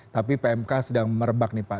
tapi pmk sedang merebak nih pak